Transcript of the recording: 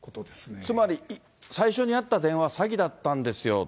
つまり、最初にあった電話、詐欺だったんですよ。